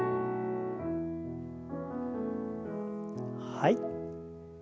はい。